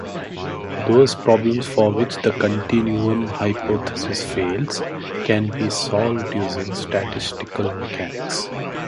Those problems for which the continuum hypothesis fails, can be solved using statistical mechanics.